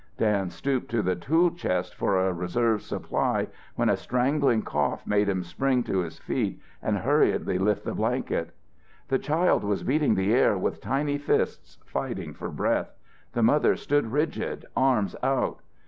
Dan stooped to the tool chest for a reserve supply when a strangling cough made him spring to his feet and hurriedly lift the blanket. The child was beating the air with tiny fists, fighting for breath. The mother stood rigid, arms out.